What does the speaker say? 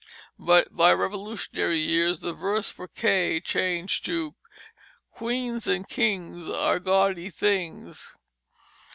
But by Revolutionary years the verse for K was changed to: "Queens and Kings Are Gaudy Things."